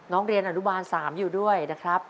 น้องเรียนอ๓อยู่ด้วยนะครับ